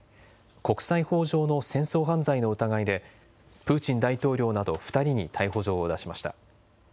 国際法上の戦争犯罪の疑いでプーチン大統領など２人に逮捕状を出しました。